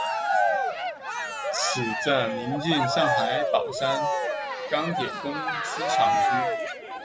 此站邻近上海宝山钢铁公司厂区。